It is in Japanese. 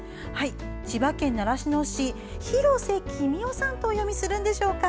千葉県習志野市の廣瀬公夫さんとお読みするのでしょうか。